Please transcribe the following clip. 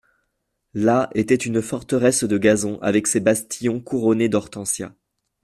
Là, était une forteresse de gazon avec ses bastions couronnés d'hortensias.